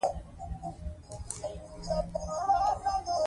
قلندر مومند هم حماسي سبک درلود.